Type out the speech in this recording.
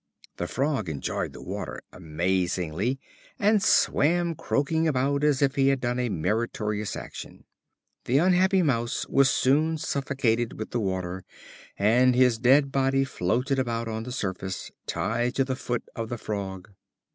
The Frog enjoyed the water amazingly, and swam croaking about as if he had done a meritorious action. The unhappy Mouse was soon suffocated with the water, and his dead body floated about on the surface, tied to the foot of the Frog.